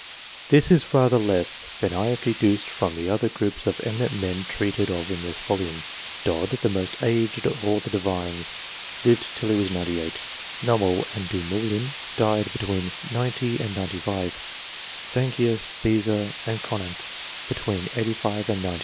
This is rather less than I have deduced from the other groups of eminent men treated of in this volume. Dod, the most aged of all of the Divines, lived till he was 98. Nowell and Du Moulin died between 90 and 95 ; and Zanchius, Beza, and Conant, between 85 and 90.